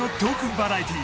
バラエティ